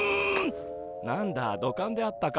何だ土管であったか。